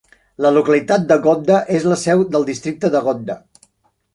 La localitat de Godda és la seu del districte de Godda.